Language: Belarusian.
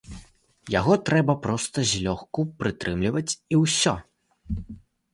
Яго трэба проста злёгку прытрымліваць і ўсё.